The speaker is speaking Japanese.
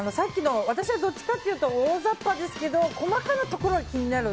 私はどっちかっていうとおおざっぱですけど細かなところが気になる。